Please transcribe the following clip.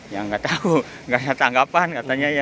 yang enggak tahu enggak ada tanggapan katanya ya